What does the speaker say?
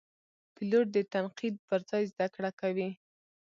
پیلوټ د تنقید پر ځای زده کړه کوي.